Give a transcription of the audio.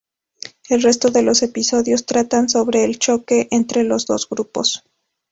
El resto de los episodios tratan sobre el choque entre los dos grupos.